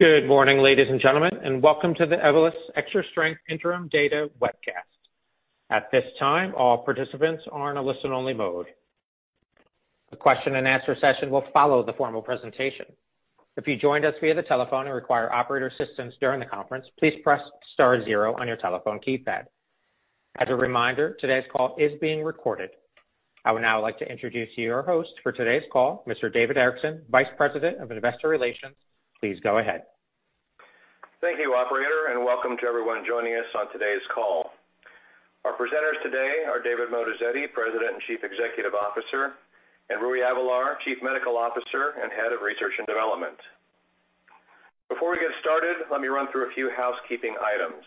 Good morning, ladies and gentlemen, welcome to the Evolus Extra Strength Interim Data Webcast. At this time, all participants are in a listen-only mode. A question-and-answer session will follow the formal presentation. If you joined us via the telephone and require operator assistance during the conference, please press star zero on your telephone keypad. As a reminder, today's call is being recorded. I would now like to introduce you, our host for today's call, Mr. David Erickson, Vice President of Investor Relations. Please go ahead. Thank you, operator. Welcome to everyone joining us on today's call. Our presenters today are David Moatazedi, President and Chief Executive Officer, and Rui Avelar, Chief Medical Officer and Head of Research and Development. Before we get started, let me run through a few housekeeping items.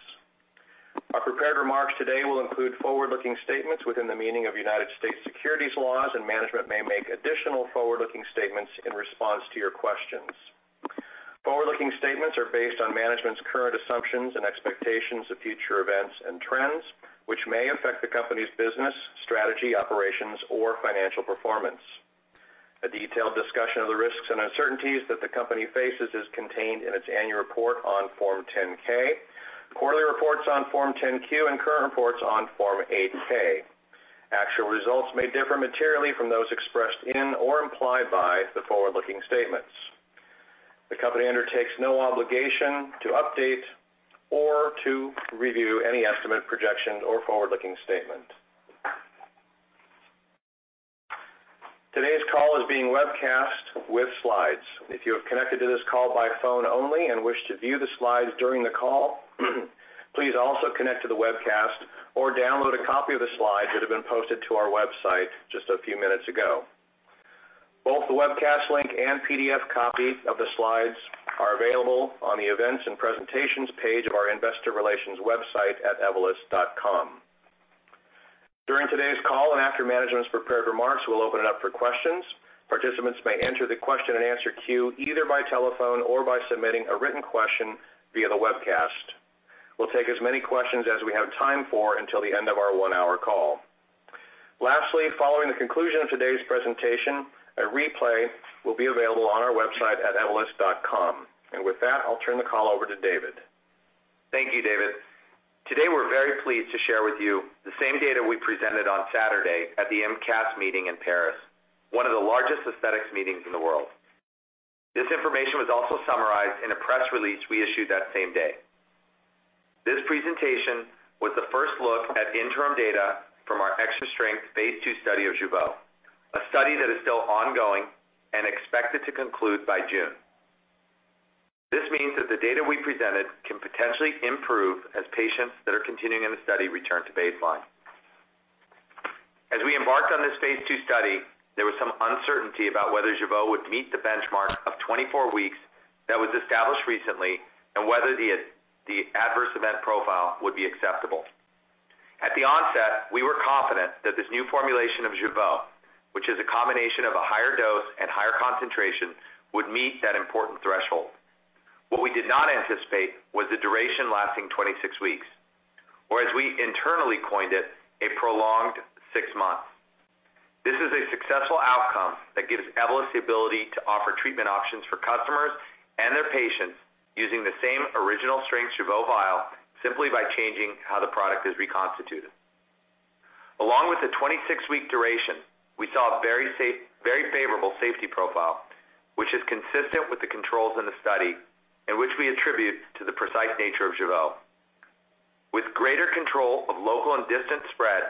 Our prepared remarks today will include forward-looking statements within the meaning of United States securities laws. Management may make additional forward-looking statements in response to your questions. Forward-looking statements are based on management's current assumptions and expectations of future events and trends, which may affect the company's business, strategy, operations, or financial performance. A detailed discussion of the risks and uncertainties that the company faces is contained in its annual report on Form 10-K, quarterly reports on Form 10-Q, and current reports on Form 8-K. Actual results may differ materially from those expressed in or implied by the forward-looking statements. The company undertakes no obligation to update or to review any estimate, projection, or forward-looking statement. Today's call is being webcast with slides. If you have connected to this call by phone only and wish to view the slides during the call, please also connect to the webcast or download a copy of the slides that have been posted to our website just a few minutes ago. Both the webcast link and PDF copy of the slides are available on the Events and Presentations page of our investor relations website at evolus.com. During today's call and after management's prepared remarks, we'll open it up for questions. Participants may enter the question-and-answer queue either by telephone or by submitting a written question via the webcast. We'll take as many questions as we have time for until the end of our one-hour call. Lastly, following the conclusion of today's presentation, a replay will be available on our website at Evolus.com. With that, I'll turn the call over to David. Thank you, David. Today, we're very pleased to share with you the same data we presented on Saturday at the IMCAS meeting in Paris, one of the largest aesthetics meetings in the world. This information was also summarized in a press release we issued that same day. This presentation was the first look at interim data from our extra strength phase II study of Jeuveau, a study that is still ongoing and expected to conclude by June. This means that the data we presented can potentially improve as patients that are continuing in the study return to baseline. As we embarked on this phase II study, there was some uncertainty about whether Jeuveau would meet the benchmark of 24 weeks that was established recently and whether the adverse event profile would be acceptable. At the onset, we were confident that this new formulation of Jeuveau, which is a combination of a higher dose and higher concentration, would meet that important threshold. What we did not anticipate was the duration lasting 26 weeks, or as we internally coined it, a prolonged six months. This is a successful outcome that gives Evolus the ability to offer treatment options for customers and their patients using the same original strength Jeuveau vial simply by changing how the product is reconstituted. Along with the 26-week duration, we saw a very favorable safety profile, which is consistent with the controls in the study and which we attribute to the precise nature of Jeuveau. With greater control of local and distant spread,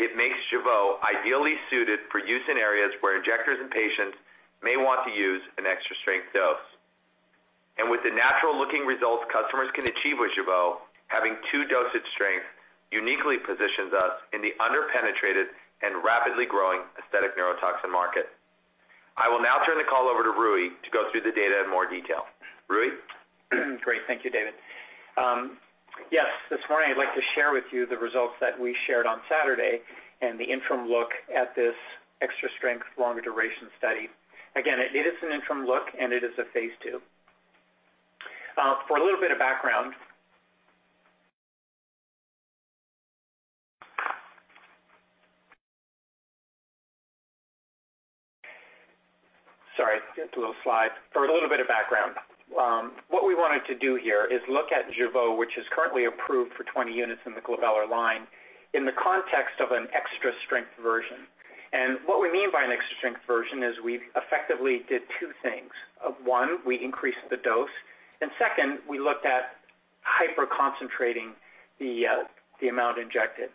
it makes Jeuveau ideally suited for use in areas where injectors and patients may want to use an extra-strength dose. With the natural-looking results customers can achieve with Jeuveau, having two dosage strengths uniquely positions us in the under-penetrated and rapidly growing aesthetic neurotoxin market. I will now turn the call over to Rui to go through the data in more detail. Rui? Great. Thank you, David. Yes, this morning I'd like to share with you the results that we shared on Saturday and the interim look at this extra strength, longer duration study. Again, it is an interim look, and it is a phase II. Sorry, it's a little slide. For a little bit of background, what we wanted to do here is look at Jeuveau, which is currently approved for 20 units in the glabellar line, in the context of an extra strength version. What we mean by an extra strength version is we effectively did two things. One, we increased the dose, and 2nd, we looked at hyper-concentrating the amount injected.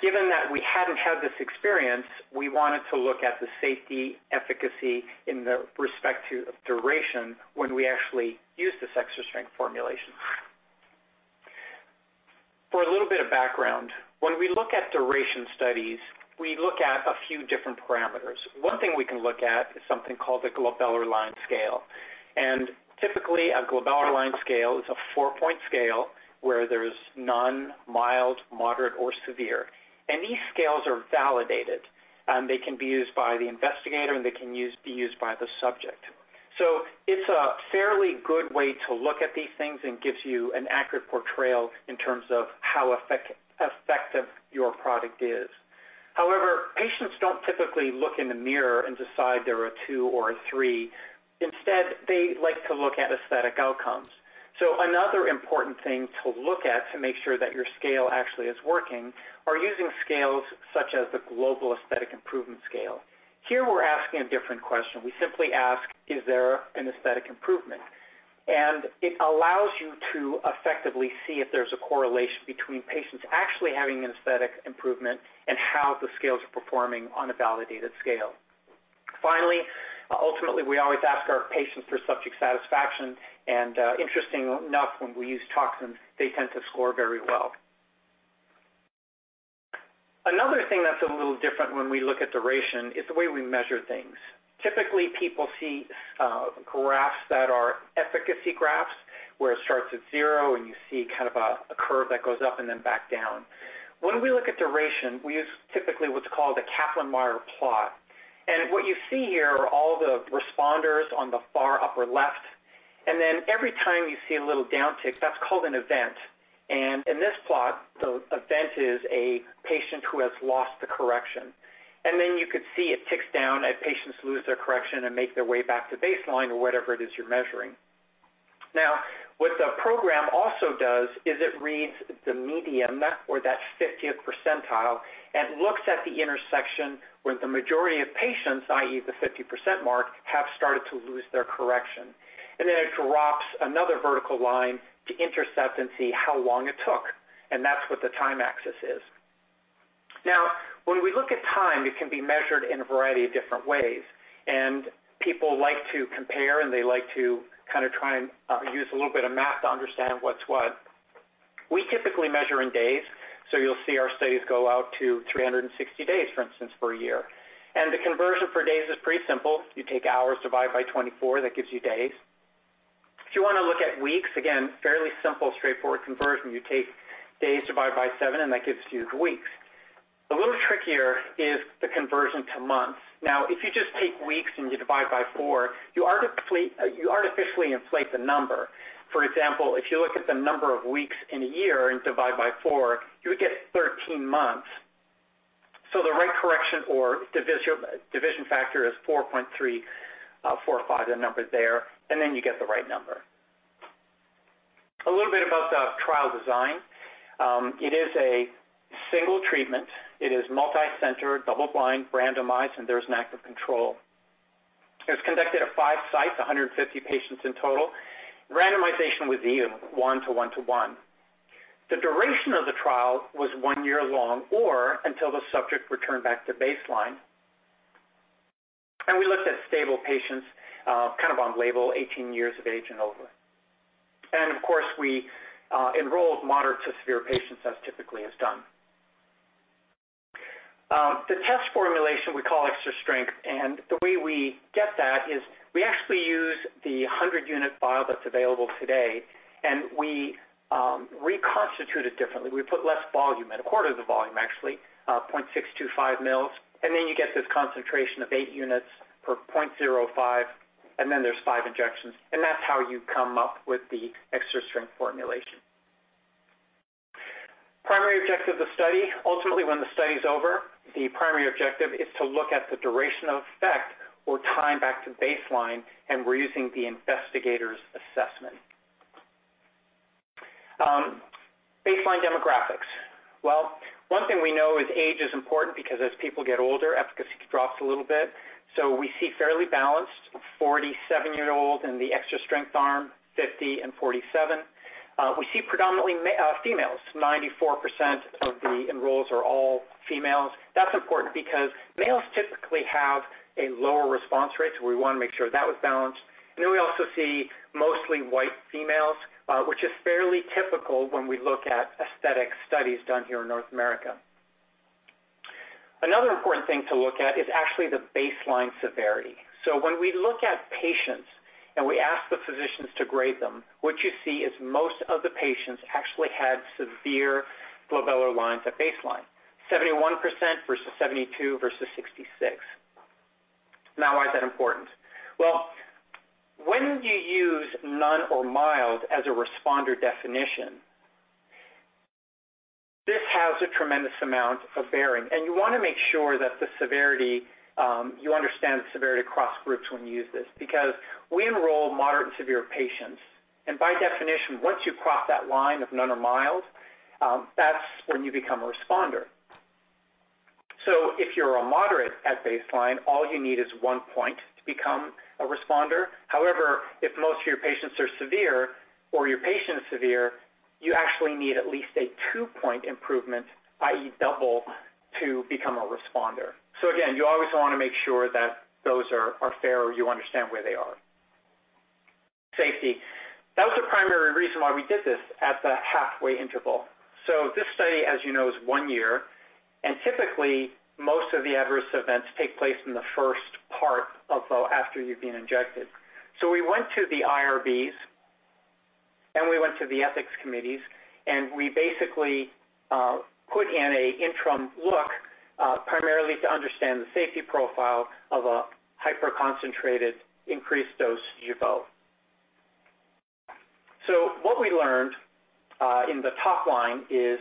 Given that we hadn't had this experience, we wanted to look at the safety efficacy in the respect to duration when we actually use this extra strength formulation. For a little bit of background, when we look at duration studies, we look at a few different parameters. One thing we can look at is something called the Glabellar Line Scale. Typically, a Glabellar Line Scale is a four-point scale where there's none, mild, moderate, or severe. These scales are validated, and they can be used by the investigator, and they can be used by the subject. It's a fairly good way to look at these things and gives you an accurate portrayal in terms of how effective your product is. However, patients don't typically look in the mirror and decide they're a two or a three. Instead, they like to look at aesthetic outcomes. Another important thing to look at to make sure that your scale actually is working are using scales such as the Global Aesthetic Improvement Scale. Here, we're asking a different question. We simply ask, is there an aesthetic improvement? It allows you to effectively see if there's a correlation between patients actually having an aesthetic improvement and how the scales are performing on a validated scale. Finally, ultimately, we always ask our patients for subject satisfaction. Interestingly enough, when we use toxins, they tend to score very well. Another thing that's a little different when we look at duration is the way we measure things. Typically, people see graphs that are efficacy graphs, where it starts at zero, and you see kind of a curve that goes up and then back down. When we look at duration, we use typically what's called a Kaplan-Meier plot. What you see here are all the responders on the far upper left. Then every time you see a little downtick, that's called an event. In this plot, the event is a patient who has lost the correction. Then you could see it ticks down as patients lose their correction and make their way back to baseline or whatever it is you're measuring. What the program also does is it reads the median or that 50th percentile and looks at the intersection where the majority of patients, i.e., the 50% mark, have started to lose their correction. Then it drops another vertical line to intercept and see how long it took, and that's what the time axis is. When we look at time, it can be measured in a variety of different ways. People like to compare, and they like to kind of try and use a little bit of math to understand what's what. We typically measure in days, so you'll see our studies go out to 360 days, for instance, for a year. The conversion for days is pretty simple. You take hours, divide by 24, that gives you days. If you wanna look at weeks, again, fairly simple, straightforward conversion. You take days, divide by seven, and that gives you weeks. A little trickier is the conversion to months. If you just take weeks and you divide by four, you artificially inflate the number. For example, if you look at the number of weeks in a year and divide by four, you would get 13 months. The right correction or division factor is 4.3, four or five, the numbers there, and then you get the right number. A little bit about the trial design. It is a single treatment. It is multicenter, double-blind, randomized, and there's an active control. It was conducted at five sites, 150 patients in total. Randomization was even, 1:1:1. The duration of the trial was one year long or until the subject returned back to baseline. We looked at stable patients, kind of on-label, 18 years of age and over. Of course, we enrolled moderate to severe patients as typically is done. The test formulation we call extra strength, and the way we get that is we actually use the 100-unit vial that's available today, and we reconstitute it differently. We put less volume in, a quarter of the volume actually, 0.625 mils, and then you get this concentration of 8 units per 0.05, and then there's 5 injections. That's how you come up with the extra strength formulation. Primary objective of the study. Ultimately, when the study is over, the primary objective is to look at the duration of effect or time back to baseline, we're using the investigator's assessment. Baseline demographics. Well, one thing we know is age is important because as people get older, efficacy drops a little bit. We see fairly balanced, 47-year-olds in the extra strength arm, 50 and 47. We see predominantly females. 94% of the enrolls are all females. That's important because males typically have a lower response rate, so we want to make sure that was balanced. We also see mostly white females, which is fairly typical when we look at aesthetic studies done here in North America. Another important thing to look at is actually the baseline severity. When we look at patients, and we ask the physicians to grade them, what you see is most of the patients actually had severe glabellar lines at baseline, 71% vs 72 vs 66. Why is that important? Well, when you use none or mild as a responder definition, this has a tremendous amount of bearing. You wanna make sure that the severity, you understand the severity across groups when you use this because we enroll moderate to severe patients. By definition, once you cross that line of none or mild, that's when you become a responder. If you're a moderate at baseline, all you need is one point to become a responder. However, if most of your patients are severe or your patient is severe, you actually need at least a two-point improvement, i.e., double, to become a responder. Again, you always wanna make sure that those are fair, or you understand where they are. Safety. That was the primary reason why we did this at the halfway interval. This study, as you know, is one year. Typically, most of the adverse events take place in the first part of the... after you've been injected. We went to the IRBs, and we went to the ethics committees, and we basically put in an interim look, primarily to understand the safety profile of a hyper-concentrated increased-dose Jeuveau. What we learned in the top line is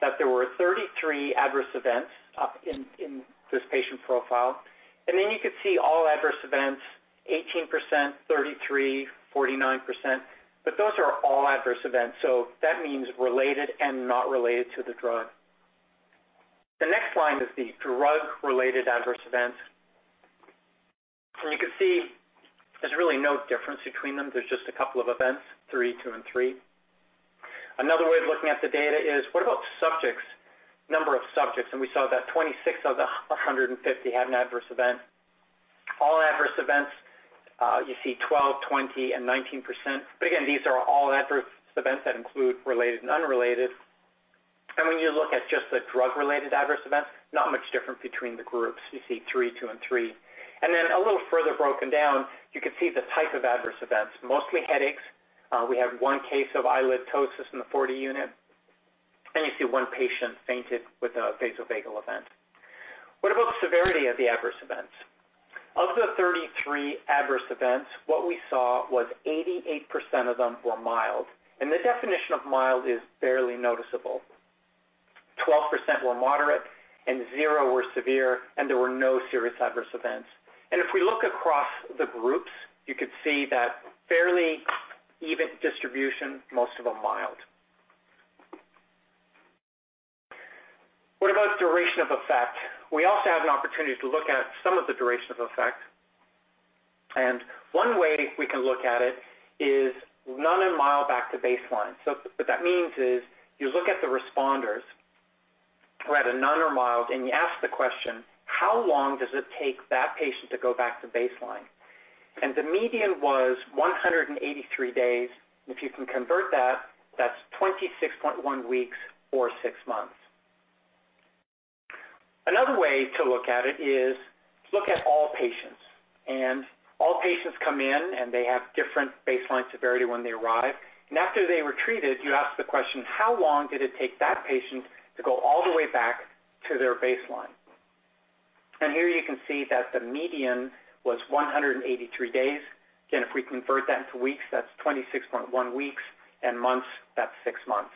that there were 33 adverse events up in this patient profile. You could see all adverse events, 18%, 33, 49%. Those are all adverse events, so that means related and not related to the drug. The next line is the drug-related adverse events. You can see there's really no difference between them. There's just a couple of events, three, two, and three. Another way of looking at the data is what about subjects, number of subjects. We saw that 26 of the 150 had an adverse event. All adverse events, you see 12%, 20%, and 19%. Again, these are all adverse events that include related and unrelated. When you look at just the drug-related adverse events, not much different between the groups. You see three, two, and three. A little further broken down, you can see the type of adverse events, mostly headaches. We had one case of eyelid ptosis in the 40 unit, and you see one patient fainted with a vasovagal event. What about the severity of the adverse events? Of the 33 adverse events, what we saw was 88% of them were mild, and the definition of mild is barely noticeable. 12% were moderate, and 0 were severe, and there were no serious adverse events. If we look across the groups, you can see that fairly even distribution, most of them mild. What about duration of effect? We also had an opportunity to look at some of the duration of effect, and one way we can look at it is none and mild back to baseline. What that means is you look at the responders who had a none or mild, and you ask the question, how long does it take that patient to go back to baseline? The median was 183 days. If you can convert that's 26.1 weeks or six months. Another way to look at it is look at all patients. All patients come in, and they have different baseline severity when they arrive. After they were treated, you ask the question, how long did it take that patient to go all the way back to their baseline? Here you can see that the median was 183 days. Again, if we convert that into weeks, that's 26.1 weeks, and months, that's six months.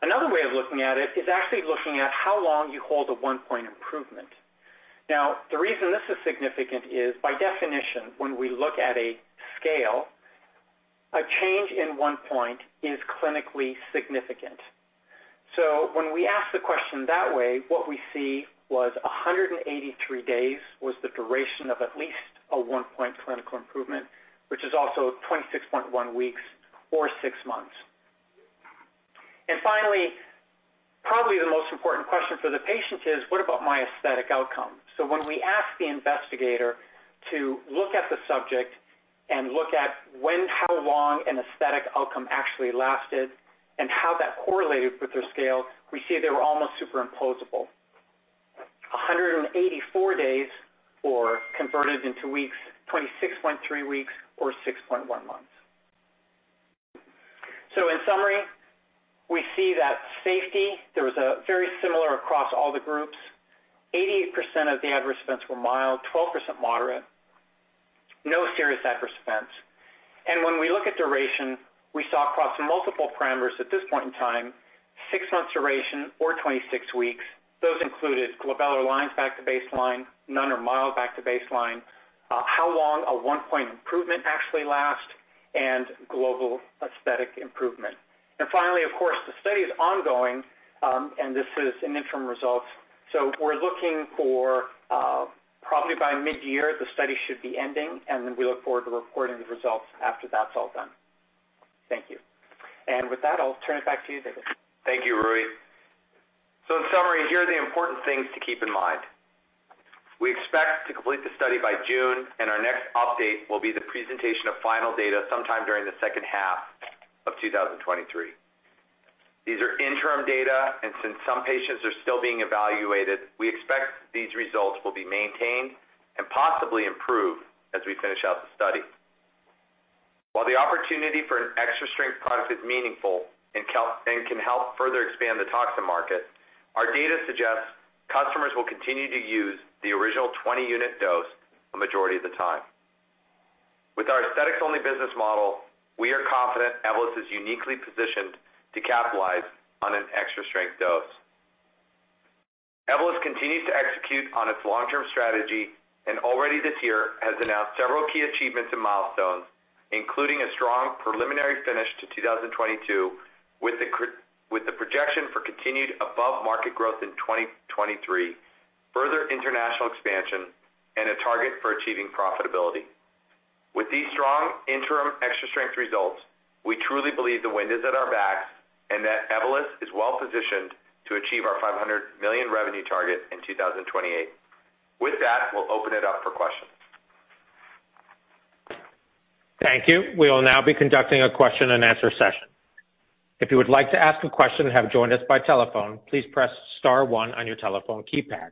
Another way of looking at it is actually looking at how long you hold a 1-point improvement. Now, the reason this is significant is by definition, when we look at a scale, a change in one point is clinically significant. When we ask the question that way, what we see was 183 days was the duration of at least a one-point clinical improvement, which is also 26.1 weeks or six months. Finally, probably the most important question for the patient is, what about my aesthetic outcome? When we ask the investigator to look at the subject and look at when, how long an aesthetic outcome actually lasted and how that correlated with their scale, we see they were almost superimposable. 184 days, or converted into weeks, 26.3 weeks or 6.1 months. In summary, we see that safety, there was a very similar across all the groups. 80% of the Adverse Events were mild, 12% moderate, no serious Adverse Events. When we look at duration, we saw across multiple parameters at this point in time, six months duration or 26 weeks. Those included Glabellar Lines back to baseline, none or mild back to baseline, how long a one-point improvement actually last, and Global Aesthetic Improvement. Finally, of course, the study is ongoing, and this is an interim result. We're looking for, probably by mid-year, the study should be ending, and then we look forward to reporting the results after that's all done. Thank you. With that, I'll turn it back to you, David. Thank you, Rui. In summary, here are the important things to keep in mind. We expect to complete the study by June, and our next update will be the presentation of final data sometime during the second half of 2023. These are interim data, and since some patients are still being evaluated, we expect these results will be maintained and possibly improve as we finish out the study. While the opportunity for an extra-strength product is meaningful and can help further expand the toxin market, our data suggests customers will continue to use the original 20-unit dose a majority of the time. With our aesthetics-only business model, we are confident Evolus is uniquely positioned to capitalize on an extra-strength dose. Evolus continues to execute on its long-term strategy and already this year has announced several key achievements and milestones, including a strong preliminary finish to 2022 with the projection for continued above-market growth in 2023, further international expansion, and a target for achieving profitability. With these strong interim extra strength results, we truly believe the wind is at our backs and that Evolus is well-positioned to achieve our $500 million revenue target in 2028. With that, we'll open it up for questions. Thank you. We will now be conducting a question and answer session. If you would like to ask a question and have joined us by telephone, please press star one on your telephone keypad.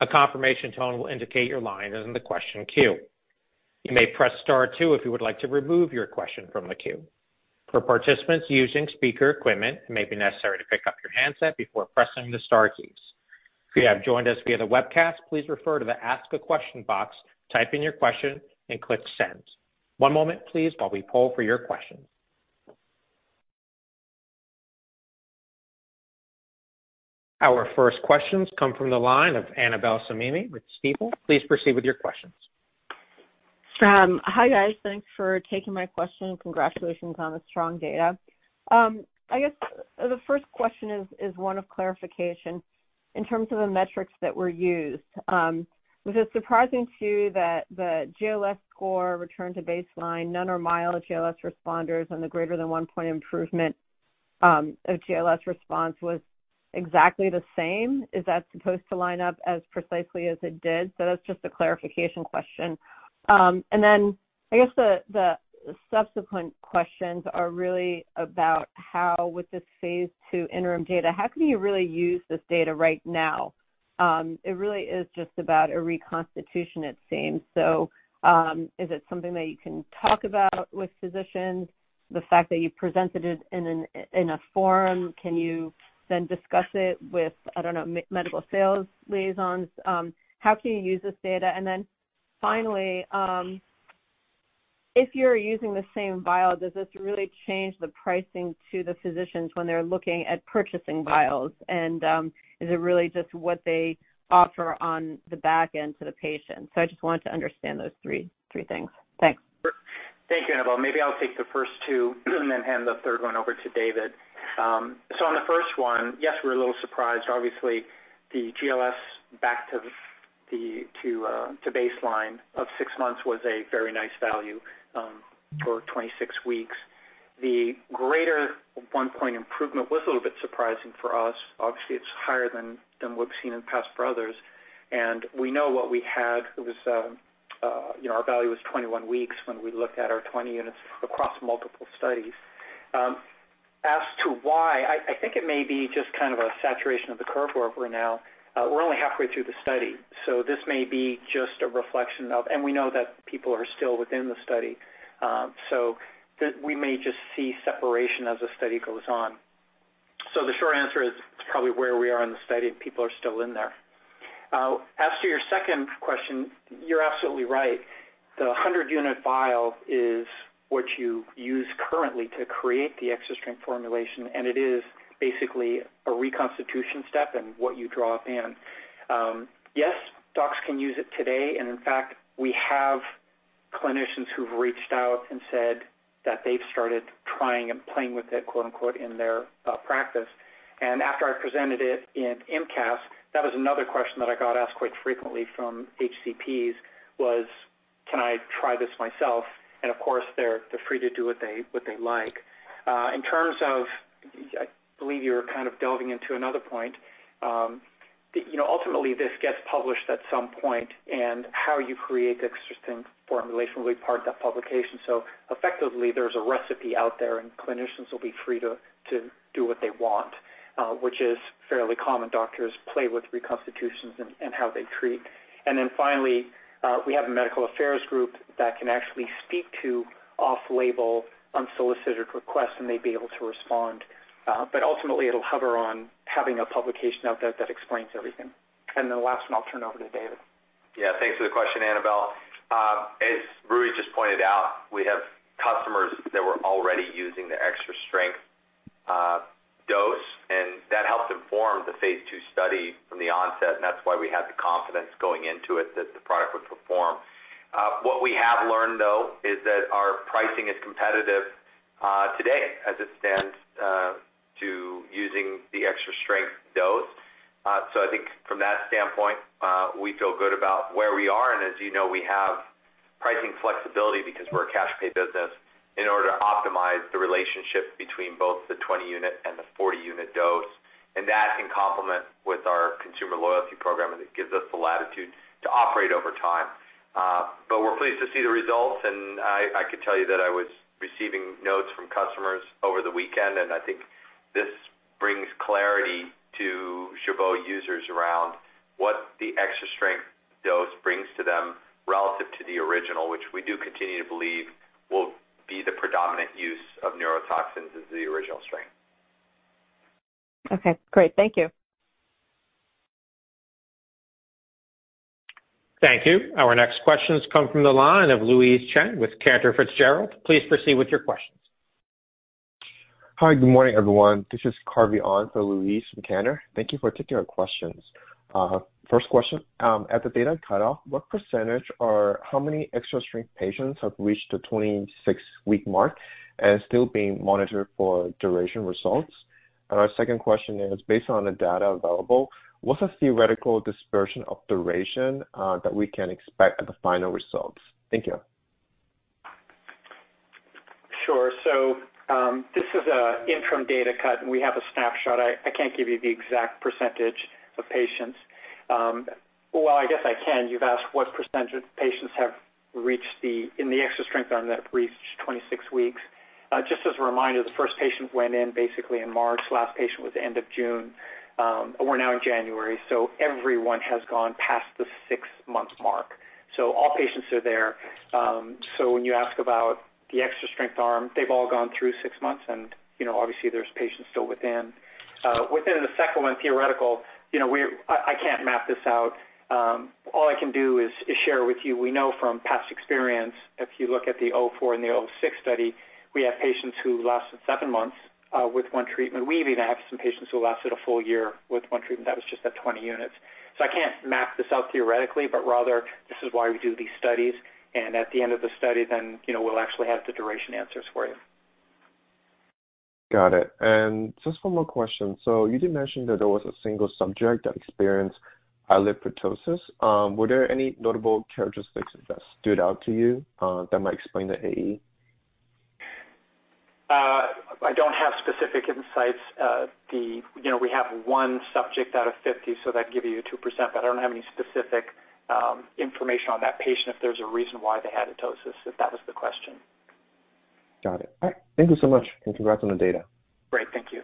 A confirmation tone will indicate your line is in the question queue. You may press star two if you would like to remove your question from the queue. For participants using speaker equipment, it may be necessary to pick up your handset before pressing the star keys. If you have joined us via the webcast, please refer to the Ask a Question box, type in your question and click Send. One moment please while we poll for your questions. Our first questions come from the line of Annabel Samimy with Stifel. Please proceed with your questions. Hi, guys. Thanks for taking my question. Congratulations on the strong data. I guess the first question is one of clarification in terms of the metrics that were used. Was it surprising to you that the GLS score returned to baseline none or mild GLS responders and the greater than one point improvement of GLS response was exactly the same? Is that supposed to line up as precisely as it did? That's just a clarification question. I guess the subsequent questions are really about how with this phase II interim data, how can you really use this data right now? It really is just about a reconstitution, it seems. Is it something that you can talk about with physicians? The fact that you presented it in a forum, can you then discuss it with, I don't know, medical sales liaisons? How can you use this data? Then finally, if you're using the same vial, does this really change the pricing to the physicians when they're looking at purchasing vials? Is it really just what they offer on the back end to the patient? I just wanted to understand those three things. Thanks. Thank you, Annabel. Maybe I'll take the first two and then hand the third one over to David. On the first one, yes, we're a little surprised. Obviously, the GLS back to the baseline of six months was a very nice value, or 26 weeks. The greater one point improvement was a little bit surprising for us. Obviously, it's higher than we've seen in past brothers, and we know what we had. It was, you know, our value was 21 weeks when we looked at our 20 units across multiple studies. As to why, I think it may be just kind of a saturation of the curve where we're now. We're only halfway through the study, this may be just a reflection of... We know that people are still within the study, so that we may just see separation as the study goes on. The short answer is, it's probably where we are in the study, and people are still in there. As to your second question, you're absolutely right. The 100-unit vial is what you use currently to create the extra strength formulation, and it is basically a reconstitution step and what you draw up in. Yes, docs can use it today, and in fact, we have clinicians who've reached out and said that they've started trying and playing with it, quote, unquote, "in their practice." After I presented it in IMCAS, that was another question that I got asked quite frequently from HCPs was, "Can I try this myself?" Of course, they're free to do what they, what they like. In terms of, I believe you're kind of delving into another point, you know, ultimately this gets published at some point, how you create the extra strength formulation will be part of that publication. Effectively, there's a recipe out there, and clinicians will be free to do what they want, which is fairly common. Doctors play with reconstitutions and how they treat. Finally, we have a medical affairs group that can actually speak to off-label unsolicited requests, and they'd be able to respond. Ultimately, it'll hover on having a publication out there that explains everything. The last one I'll turn over to David. Thanks for the question, Annabel. As Rui just pointed out, we have customers that were already using the extra strength dose, and that helped inform the phase II study from the onset, and that's why we had the confidence going into it that the product would perform. What we have learned, though, is that our pricing is competitive today as it stands to using the extra strength dose. I think from that standpoint, we feel good about where we are. As you know, we have pricing flexibility because we're a cash pay business in order to optimize the relationship between both the 20-unit and the 40-unit dose. That can complement with our consumer loyalty program, and it gives us the latitude to operate over time. We're pleased to see the results. I could tell you that I was receiving notes from customers over the weekend, and I think this brings clarity to Jeuveau users around what the extra strength dose brings to them relative to the original, which we do continue to believe will be the predominant use of neurotoxins is the original strength. Okay, great. Thank you. Thank you. Our next questions come from the line of Louise Chen with Cantor Fitzgerald. Please proceed with your questions. Hi, good morning, everyone. This is Carvey on for Louise from Cantor. Thank you for taking our questions. First question, at the data cutoff, what % or how many extra strength patients have reached the 26-week mark and still being monitored for duration results? Our second question is, based on the data available, what's a theoretical dispersion of duration that we can expect at the final results? Thank you. Sure. This is a interim data cut, and we have a snapshot. I can't give you the exact percentage of patients. Well, I guess I can. You've asked what percentage of patients have reached the, in the extra strength arm that have reached 26 weeks. Just as a reminder, the first patient went in basically in March. Last patient was the end of June, and we're now in January, so everyone has gone past the six-month mark. All patients are there. When you ask about the extra strength arm, they've all gone through six months and, you know, obviously there's patients still within. Within the second one, theoretical, you know, I can't map this out. All I can do is share with you. We know from past experience, if you look at the 2004 and the 2006 study, we have patients who lasted seven months with one treatment. We even have some patients who lasted a full year with one treatment, that was just at 20 units. I can't map this out theoretically, but rather this is why we do these studies. At the end of the study then, you know, we'll actually have the duration answers for you. Got it. Just one more question. You did mention that there was a single subject that experienced eyelid ptosis. Were there any notable characteristics that stood out to you that might explain the AE? I don't have specific insights. you know, we have one subject out of 50, so that'd give you 2%. I don't have any specific information on that patient if there's a reason why they had a ptosis, if that was the question. Got it. All right. Thank you so much and congrats on the data. Great. Thank you.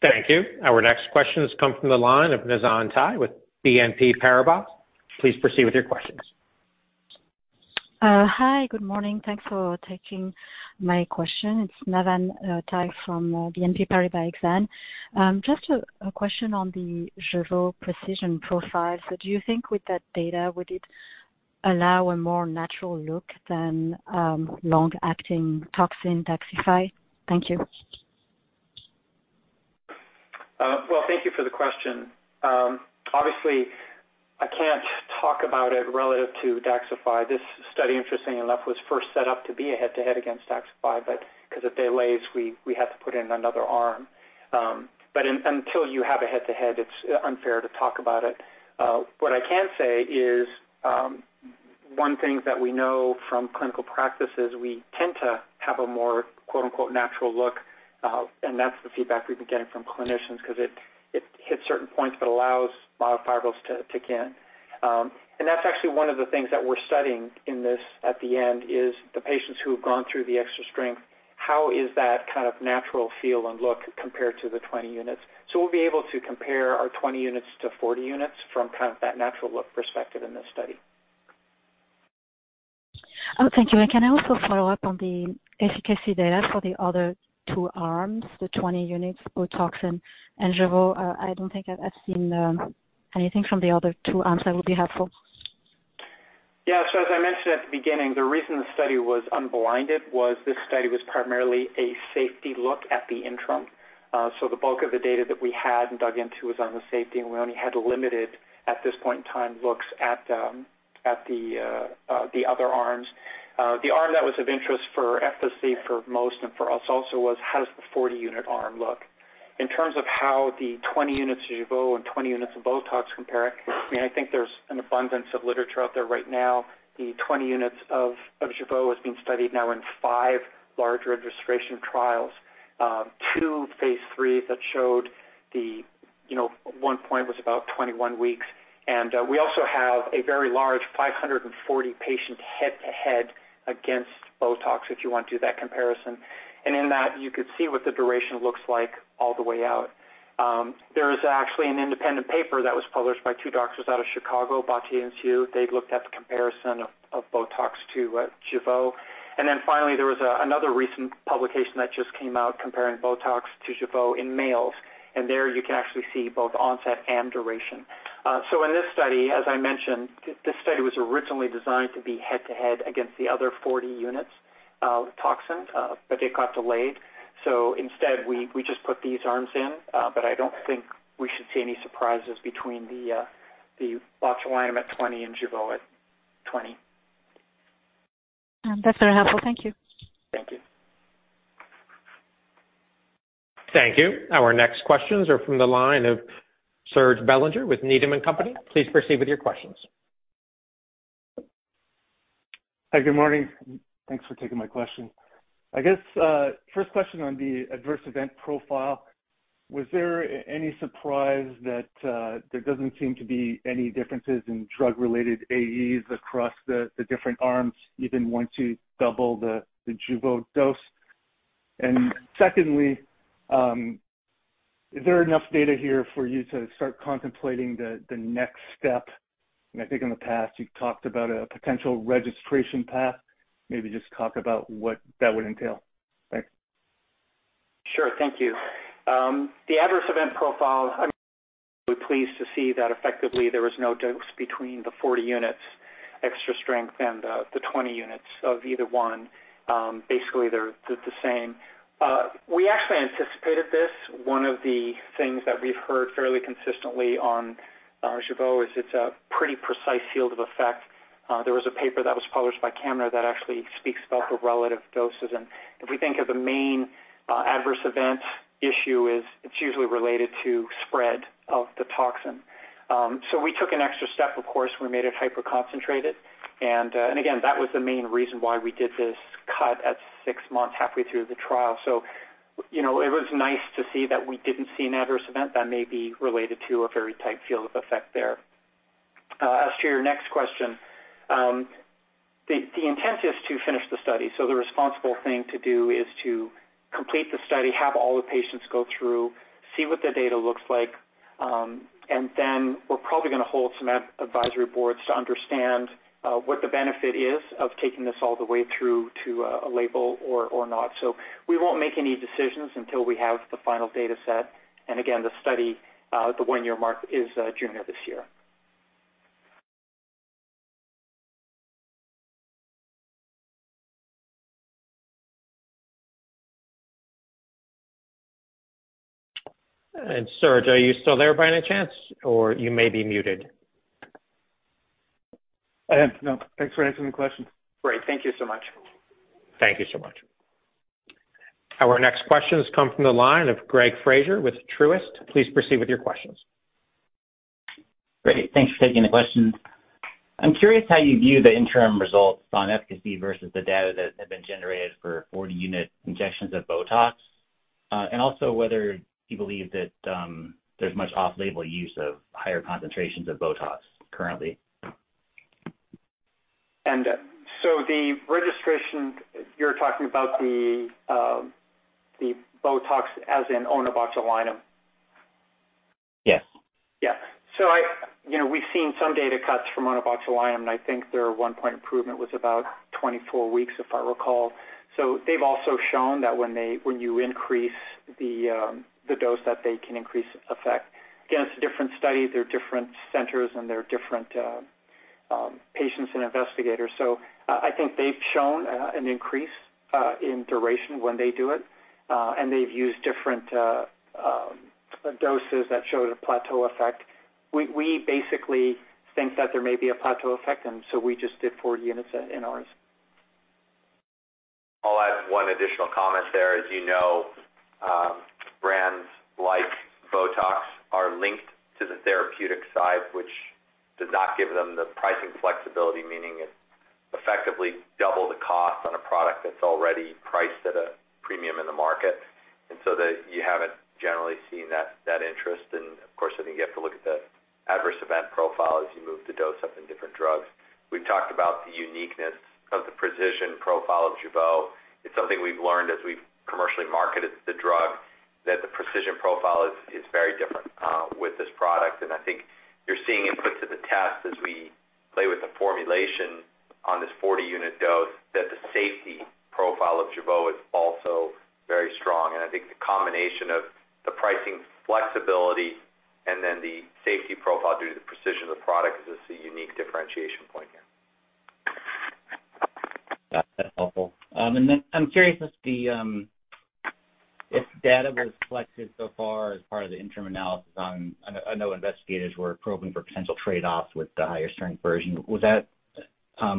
Thank you. Our next question has come from the line of Navann Ty with BNP Paribas. Please proceed with your questions. Hi. Good morning. Thanks for taking my question. It's Navann Ty from BNP Paribas Exane. Just a question on the Jeuveau precision profile. Do you think with that data, would it allow a more natural look than long-acting toxin Daxxify? Thank you. Well, thank you for the question. Obviously, I can't talk about it relative to Daxxify. This study, interestingly enough, was first set up to be a head-to-head against Daxxify. 'Cause of delays, we had to put in another arm. Until you have a head-to-head, it's unfair to talk about it. What I can say is, one thing that we know from clinical practice is we tend to have a more, quote-unquote, "natural look," and that's the feedback we've been getting from clinicians 'cause it hits certain points that allows lot of fibers to kick in. And that's actually one of the things that we're studying in this at the end, is the patients who have gone through the extra strength, how is that kind of natural feel and look compared to the 20 units? We'll be able to compare our 20 units to 40 units from kind of that natural look perspective in this study. Oh, thank you. Can I also follow up on the efficacy data for the other two arms, the 20 units BOTOX and Jeuveau? I don't think I've seen anything from the other two arms that will be helpful. As I mentioned at the beginning, the reason the study was unblinded was this study was primarily a safety look at the interim. The bulk of the data that we had and dug into was on the safety, and we only had limited, at this point in time, looks at the other arms. The arm that was of interest for efficacy for most and for us also was how does the 40-unit arm look? In terms of how the 20 units of Jeuveau and 20 units of BOTOX compare, I think there's an abundance of literature out there right now. The 20 units of Jeuveau is being studied now in five large registration trials, two phase III that showed the, you know, one point was about 21 weeks. We also have a very large 540 patient head-to-head against BOTOX, if you wanna do that comparison. In that you could see what the duration looks like all the way out. There is actually an independent paper that was published by two doctors out of Chicago, Bhatia and Xu. They looked at the comparison of BOTOX to Jeuveau. Finally, there was another recent publication that just came out comparing BOTOX to Jeuveau in males, and there you can actually see both onset and duration. So in this study, as I mentioned, this study was originally designed to be head-to-head against the other 40 units of the toxin, but it got delayed. Instead, we just put these arms in, but I don't think we should see any surprises between the botulinum at 20 and Jeuveau at 20. That's very helpful. Thank you. Thank you. Thank you. Our next questions are from the line of Serge Belanger with Needham & Company. Please proceed with your questions. Hi. Good morning. Thanks for taking my question. I guess, first question on the adverse event profile. Was there any surprise that there doesn't seem to be any differences in drug-related AEs across the different arms, even once you double the Jeuveau dose? Secondly, is there enough data here for you to start contemplating the next step? I think in the past you've talked about a potential registration path. Maybe just talk about what that would entail. Thanks. Sure. Thank you. The adverse event profile, I'm pleased to see that effectively there was no difference between the 40 units extra strength and the 20 units of either one. Basically they're the same. We actually anticipated this. One of the things that we've heard fairly consistently on Jeuveau is it's a pretty precise field of effect. There was a paper that was published by Kammer that actually speaks about the relative doses. If we think of the main adverse event issue is it's usually related to spread of the toxin. So we took an extra step, of course, we made it hyper-concentrated. Again, that was the main reason why we did this cut at six months, halfway through the trial. You know, it was nice to see that we didn't see an adverse event that may be related to a very tight field of effect there. To your next question, the intent is to finish the study. The responsible thing to do is to complete the study, have all the patients go through, see what the data looks like, and then we're probably gonna hold some advisory boards to understand what the benefit is of taking this all the way through to a label or not. We won't make any decisions until we have the final data set. Again, the study, the one-year mark is June of this year. Serge, are you still there by any chance? Or you may be muted. I am. No, thanks for answering the question. Great. Thank you so much. Thank you so much. Our next question comes from the line of Greg Fraser with Truist. Please proceed with your questions. Great. Thanks for taking the question. I'm curious how you view the interim results on efficacy vs the data that had been generated for 40-unit injections of BOTOX, and also whether you believe that there's much off-label use of higher concentrations of BOTOX currently. The registration, you're talking about the BOTOX as in onabotulinumtoxinA? Yes. You know, we've seen some data cuts from onabotulinumtoxinA, and I think their one-point improvement was about 24 weeks, if I recall. They've also shown that when you increase the dose, that they can increase effect. Again, it's a different study, they're different centers, and they're different patients and investigators. I think they've shown an increase in duration when they do it, and they've used different doses that showed a plateau effect. We basically think that there may be a plateau effect, we just did 40 units in ours. I'll add one additional comment there. As you know, brands like BOTOX are linked to the therapeutic side, which does not give them the pricing flexibility, meaning it effectively double the cost on a product that's already priced at a premium in the market. You haven't generally seen that interest. Of course, I think you have to look at the adverse event profile as you move the dose up in different drugs. We've talked about the uniqueness of the precision profile of Jeuveau. It's something we've learned as we've commercially marketed the drug, that the precision profile is very different with this product. I think you're seeing input to the test as we play with the formulation on this 40-unit dose that the safety profile of Jeuveau is also very strong. I think the combination of the pricing flexibility and then the safety profile due to the precision of the product is just a unique differentiation point here. That's helpful. I'm curious if the, if data was collected so far as part of the interim analysis on... I know investigators were probing for potential trade-offs with the higher strength version. Was that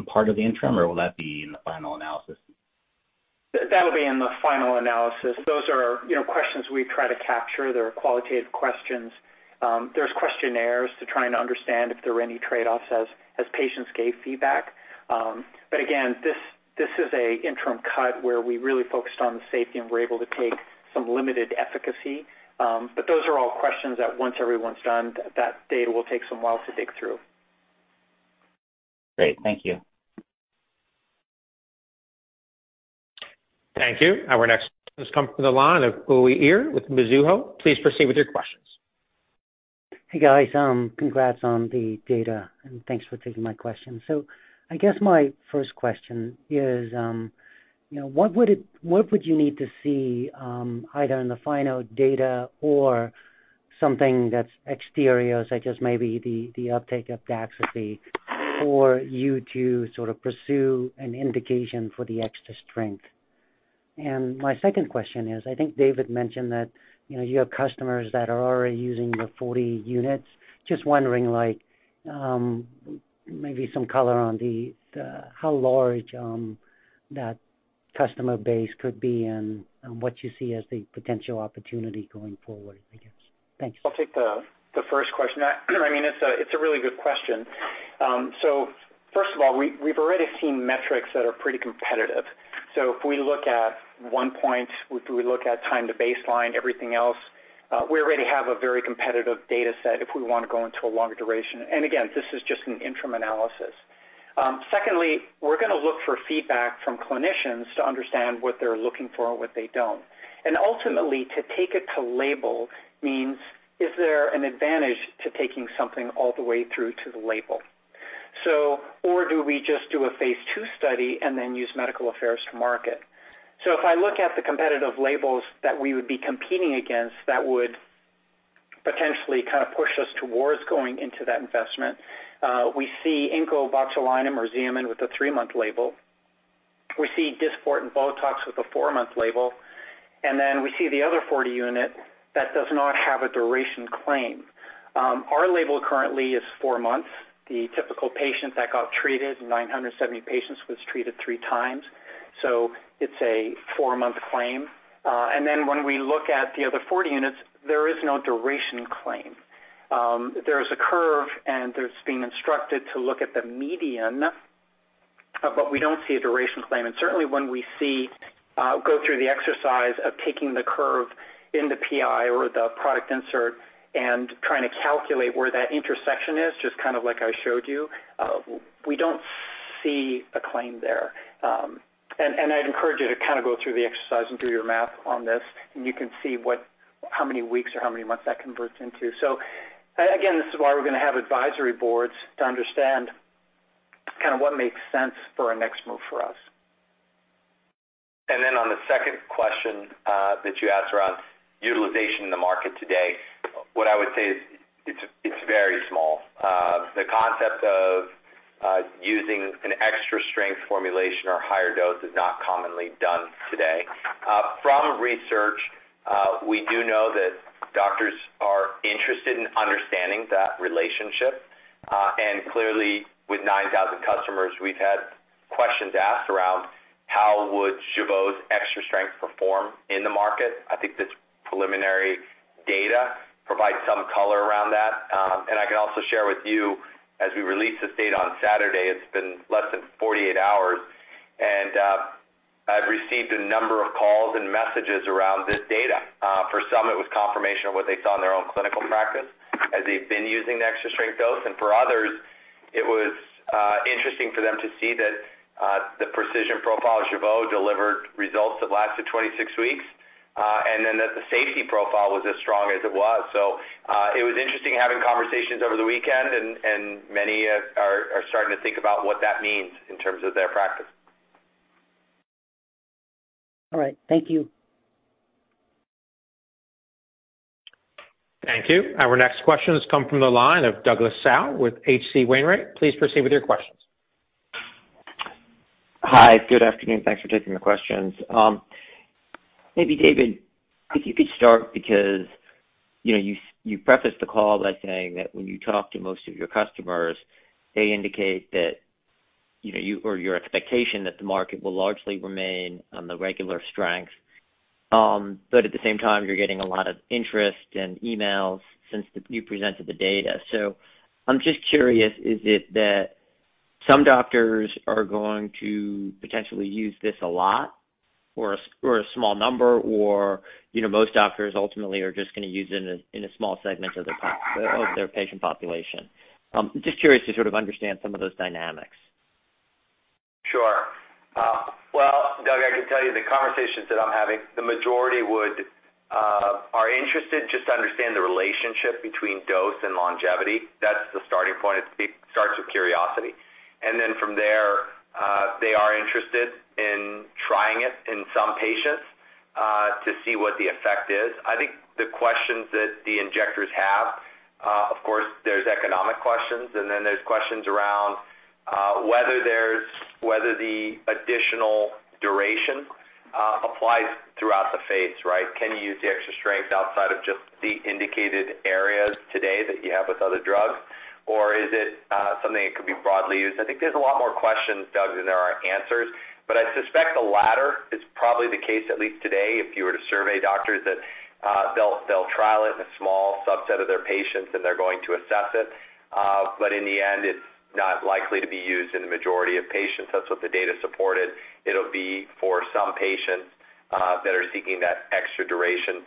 part of the interim, or will that be in the final analysis? That'll be in the final analysis. Those are, you know, questions we try to capture. They're qualitative questions. There's questionnaires to try and understand if there were any trade-offs as patients gave feedback. Again, this is a interim cut where we really focused on the safety, and we're able to take some limited efficacy. Those are all questions that once everyone's done, that data will take some while to dig through. Great. Thank you. Thank you. Our next question comes from the line of Uy Ear with Mizuho. Please proceed with your questions. Hey, guys, congrats on the data, thanks for taking my question. I guess my first question is, you know, what would you need to see, either in the final data or something that's exterior, such as maybe the uptake of Daxxify for you to sort of pursue an indication for the extra strength? My second question is, I think David mentioned that, you know, you have customers that are already using the 40 units. Just wondering, like, maybe some color on the how large that customer base could be and what you see as the potential opportunity going forward, I guess. Thanks. I'll take the first question. I mean, it's a really good question. First of all, we've already seen metrics that are pretty competitive. If we look at one point, if we look at time to baseline, everything else, we already have a very competitive data set if we wanna go into a longer duration. Again, this is just an interim analysis. Secondly, we're gonna look for feedback from clinicians to understand what they're looking for and what they don't. Ultimately, to take it to label means is there an advantage to taking something all the way through to the label? Or do we just do a phase II study and then use medical affairs to market? If I look at the competitive labels that we would be competing against, that would potentially kind of push us towards going into that investment, we see incobotulinumtoxinA or XEOMIN with a three-month label. We see Dysport and BOTOX with a four-month label. We see the other 40 unit that does not have a duration claim. Our label currently is four months. The typical patient that got treated, 970 patients, was treated three times. It's a four-month claim. When we look at the other 40 units, there is no duration claim. There is a curve, and there's being instructed to look at the median. We don't see a duration claim. Certainly, when we go through the exercise of taking the curve in the PI or the product insert and trying to calculate where that intersection is, just kind of like I showed you, we don't see a claim there. And I'd encourage you to kind of go through the exercise and do your math on this, and you can see what how many weeks or how many months that converts into. Again, this is why we're gonna have advisory boards to understand kind of what makes sense for our next move for us. On the second question, that you asked around utilization in the market today, what I would say is it's very small. The concept of using an extra strength formulation or higher dose is not commonly done today. From research, we do know that doctors are interested in understanding that relationship. Clearly, with 9,000 customers, we've had questions asked around how would Jeuveau's extra strength perform in the market. I think this preliminary data provides some color around that. I can also share with you as we released this data on Saturday, it's been less than 48 hours, and I've received a number of calls and messages around this data. For some, it was confirmation of what they saw in their own clinical practice as they've been using the extra strength dose, and for others, it was interesting for them to see that the precision profile of Jeuveau delivered results that lasted 26 weeks, and then that the safety profile was as strong as it was. It was interesting having conversations over the weekend and many are starting to think about what that means in terms of their practice. All right. Thank you. Thank you. Our next question has come from the line of Douglas Tsao with H.C. Wainwright. Please proceed with your questions. Hi. Good afternoon. Thanks for taking the questions. Maybe, David, if you could start because, you know, you prefaced the call by saying that when you talk to most of your customers, they indicate that, you know, your expectation that the market will largely remain on the regular strength. At the same time, you're getting a lot of interest and emails since you presented the data. I'm just curious, is it that some doctors are going to potentially use this a lot or a small number, or, you know, most doctors ultimately are just gonna use it in a, in a small segment of their patient population? Just curious to sort of understand some of those dynamics. Sure. Well, Doug, I can tell you the conversations that I'm having, the majority would are interested just to understand the relationship between dose and longevity. That's the starting point. It starts with curiosity. From there, they are interested in trying it in some patients to see what the effect is. I think the questions that the injectors have, of course, there's economic questions, there's questions around whether the additional duration applies throughout the phase, right? Can you use the extra strength outside of just the indicated areas today that you have with other drugs, or is it something that could be broadly used? I think there's a lot more questions, Doug, than there are answers. I suspect the latter is probably the case, at least today, if you were to survey doctors that, they'll trial it in a small subset of their patients, and they're going to assess it. In the end, it's not likely to be used in the majority of patients. That's what the data supported. It'll be for some patients, that are seeking that extra duration.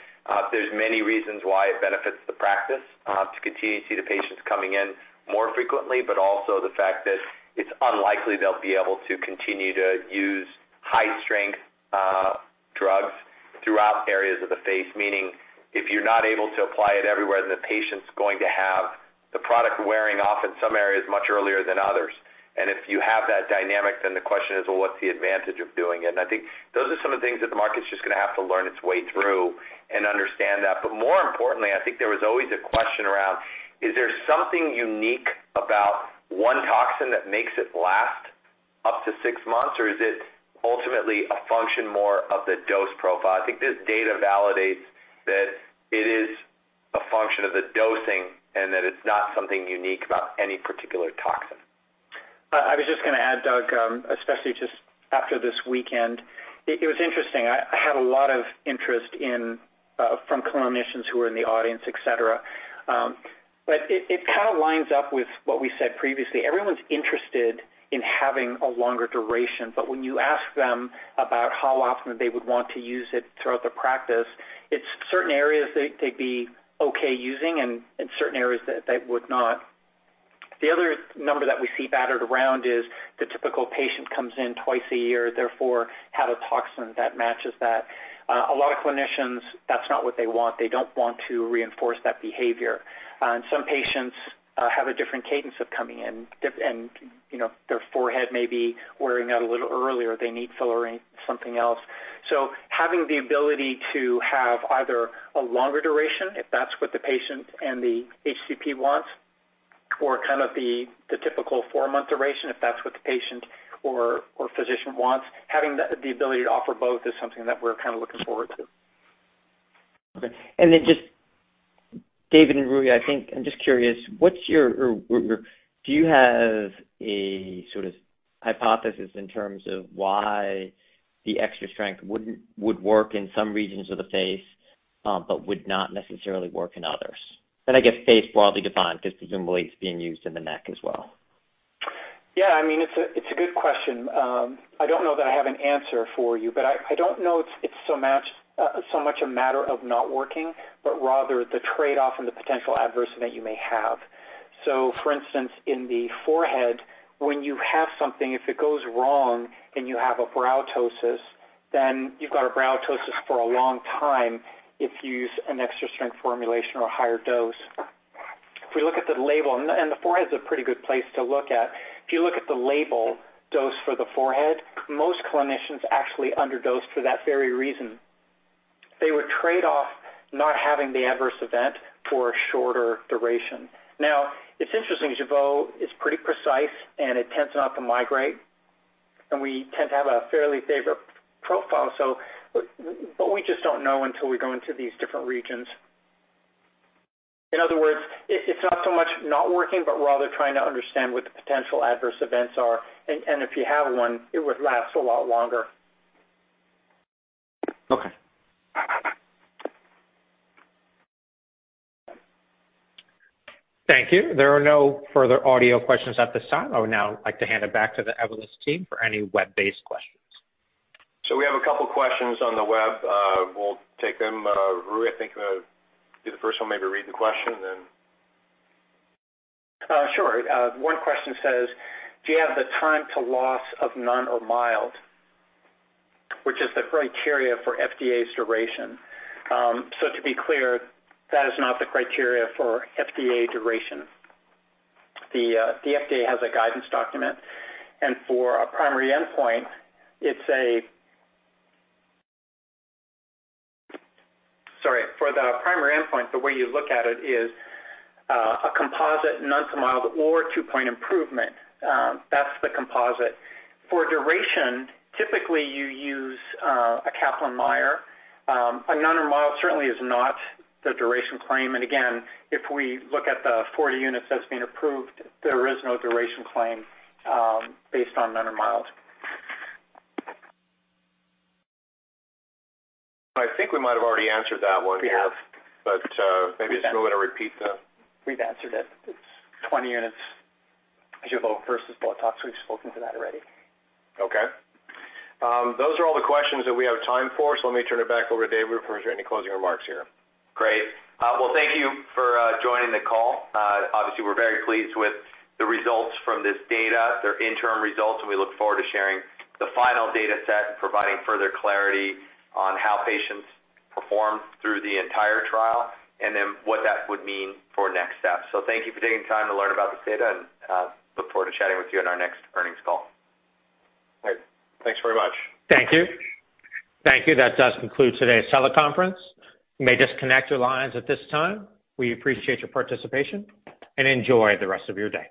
There's many reasons why it benefits the practice, to continue to see the patients coming in more frequently, but also the fact that it's unlikely they'll be able to continue to use high strength, drugs throughout areas of the face. Meaning if you're not able to apply it everywhere, then the patient's going to have the product wearing off in some areas much earlier than others. If you have that dynamic, the question is, well, what's the advantage of doing it? I think those are some of the things that the market's just gonna have to learn its way through and understand that. More importantly, I think there was always a question around, is there something unique about one toxin that makes it last up to six months, or is it ultimately a function more of the dose profile? I think this data validates that it is a function of the dosing and that it's not something unique about any particular toxin. I was just gonna add, Doug, especially just after this weekend, it was interesting. I had a lot of interest in from clinicians who were in the audience, et cetera. It kind of lines up with what we said previously. Everyone's interested in having a longer duration, but when you ask them about how often they would want to use it throughout their practice, it's certain areas they'd be okay using and certain areas that they would not. The other number that we see battered around is the typical patient comes in twice a year, therefore have a toxin that matches that. A lot of clinicians, that's not what they want. They don't want to reinforce that behavior. Some patients have a different cadence of coming in and, you know, their forehead may be wearing out a little earlier. They need filler in something else. Having the ability to have either a longer duration, if that's what the patient and the HCP wants, or kind of the typical 4-month duration, if that's what the patient or physician wants, having the ability to offer both is something that we're kind of looking forward to. Just, David and Rui, I think I'm just curious, what's your or do you have a sort of hypothesis in terms of why the extra strength would work in some regions of the face? Would not necessarily work in others. I guess face broadly defined, because presumably it's being used in the neck as well. Yeah. I mean, it's a good question. I don't know that I have an answer for you, but I don't know it's so much a matter of not working, but rather the trade off and the potential adverse event you may have. For instance, in the forehead, when you have something, if it goes wrong and you have a brow ptosis, then you've got a brow ptosis for a long time if you use an extra strength formulation or a higher dose. If we look at the label, and the forehead's a pretty good place to look at. If you look at the label dose for the forehead, most clinicians actually underdose for that very reason. They would trade off not having the adverse event for a shorter duration. It's interesting, Jeuveau is pretty precise, and it tends not to migrate, and we tend to have a fairly favorable profile. We just don't know until we go into these different regions. In other words, it's not so much not working, but rather trying to understand what the potential adverse events are. If you have one, it would last a lot longer. Okay. Thank you. There are no further audio questions at this time. I would now like to hand it back to the Evolus team for any web-based questions. We have a couple questions on the web. We'll take them. Rui, I think, be the first one maybe read the question and then... Sure. one question says, do you have the time to loss of none or mild, which is the criteria for FDA's duration? To be clear, that is not the criteria for FDA duration. The FDA has a guidance document. For a primary endpoint, the way you look at it is a composite none to mild or two-point improvement. That's the composite. For duration, typically, you use a Kaplan-Meier. A none or mild certainly is not the duration claim. Again, if we look at the 40 units that's been approved, there is no duration claim based on none or mild. I think we might have already answered that one here. Yeah. maybe it's good to repeat the. We've answered it. It's 20 units Jeuveau vs Botox. We've spoken to that already. Okay. Those are all the questions that we have time for, so let me turn it back over to David for any closing remarks here. Great. Well, thank you for joining the call. Obviously, we're very pleased with the results from this data. They're interim results, and we look forward to sharing the final data set and providing further clarity on how patients perform through the entire trial and then what that would mean for next steps. Thank you for taking time to learn about this data, and look forward to chatting with you on our next earnings call. Great. Thanks very much. Thank you. Thank you. That does conclude today's teleconference. You may disconnect your lines at this time. We appreciate your participation and enjoy the rest of your day.